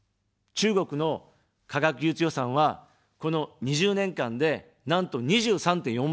中国の科学技術予算は、この２０年間で、なんと２３．４倍。